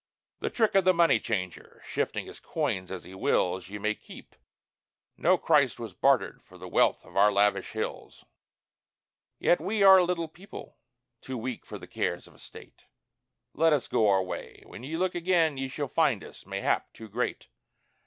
The trick of the money changer, shifting his coins as he wills, Ye may keep no Christ was bartered for the wealth of our lavish hills. "Yet we are a little people too weak for the cares of state!" Let us go our way! When ye look again, ye shall find us, mayhap, too great.